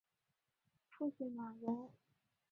父亲马荣。